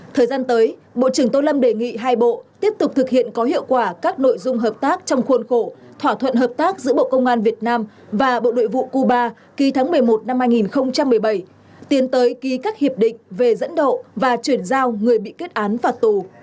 thời gian tới bộ trưởng tô lâm đề nghị hai bộ tiếp tục thực hiện có hiệu quả các nội dung hợp tác trong khuôn khổ thỏa thuận hợp tác giữa bộ công an việt nam và bộ nội vụ cuba ký tháng một mươi một năm hai nghìn một mươi bảy tiến tới ký các hiệp định về dẫn độ và chuyển giao người bị kết án phạt tù